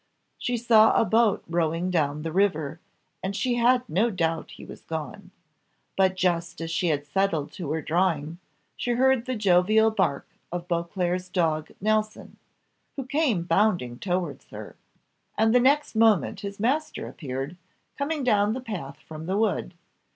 She saw a boat rowing down the river, and she had no doubt he was gone. But just as she had settled to her drawing, she heard the joyful bark of Beauclerc's dog Nelson, who came bounding towards her, and the next moment his master appeared, coming down the path from the wood.